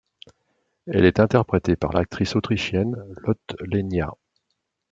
Elle est interprétée par l'actrice autrichienne Lotte Lenya.